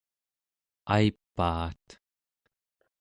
aipaat